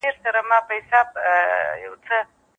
که څارویو ته پاکه واښه ورکړل سي، نو هغوی نه ضعیفه کیږي.